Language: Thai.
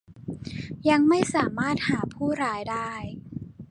ยังไม่สามารถหาผู้ร้ายได้